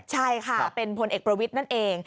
ใช่ค่ะเป็นพลเอกประวิทย์นั่นเอง